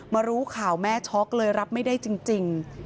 รู้ข่าวแม่ช็อกเลยรับไม่ได้จริง